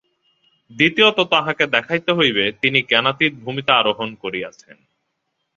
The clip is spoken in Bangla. দ্বিতীয়ত তাঁহাকে দেখাইতে হইবে, তিনি জ্ঞানাতীত ভূমিতে আরোহণ করিয়াছেন।